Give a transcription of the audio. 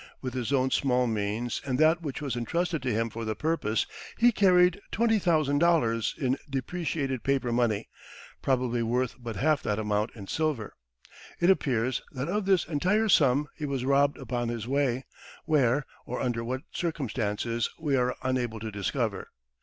With his own small means and that which was entrusted to him for the purpose, he carried $20,000 in depreciated paper money probably worth but half that amount in silver. It appears that of this entire sum he was robbed upon his way where, or under what circumstances, we are unable to discover.